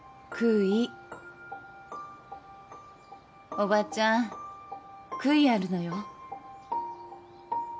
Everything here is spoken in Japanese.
おばちゃん悔いあるのよ。